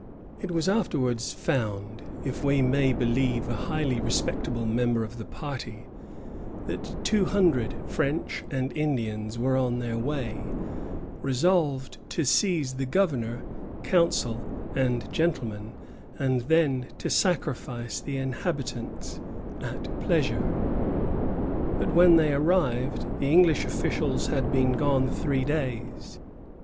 It was afterwards found, if we may believe a highly respectable member of the party, that two hundred French and Indians were on their way, "resolved to seize the governor, council, and gentlemen, and then to sacrifice the inhabitants at pleasure;" but when they arrived, the English officials had been gone three days.